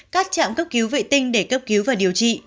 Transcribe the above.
các trạm cấp cứu vệ tinh để cấp cứu và điều trị